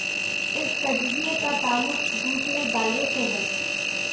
اس تجزیے کا تعلق دوسرے دائرے سے ہے۔